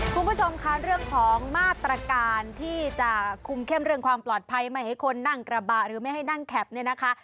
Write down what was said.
คุณผู้ชมค่ะเรื่องของมาตรการที่จะคุมเข้มเรื่องความปลอดภัยไม่ให้คนนั่งกระบะหรือไม่ให้นั่งแคปเนี่ยนะคะ